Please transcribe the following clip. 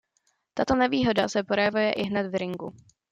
Tato nevýhoda se projevuje ihned v ringu.